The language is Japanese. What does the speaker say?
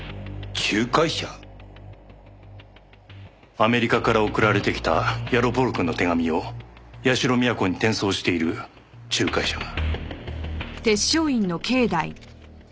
アメリカから送られてきたヤロポロクの手紙を社美彌子に転送している仲介者が。